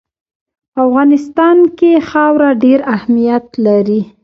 په افغانستان کې خاوره ډېر اهمیت لري.